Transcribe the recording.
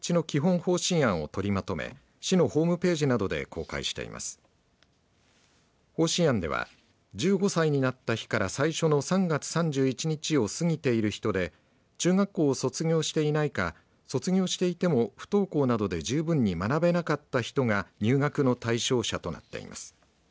方針案では１５歳になった日から最初の３月３１日を過ぎている人で中学校を卒業していないか卒業していても不登校などで十分に学べなかった人が入学の対象者となっています。